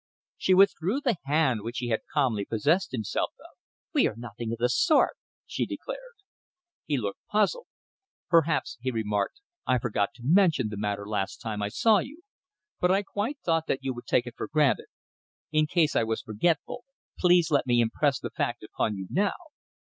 She withdrew the hand which he had calmly possessed himself of. "We are nothing of the sort," she declared. He looked puzzled. "Perhaps," he remarked, "I forgot to mention the matter last time I saw you, but I quite thought that you would take it for granted. In case I was forgetful, please let me impress the fact upon you now.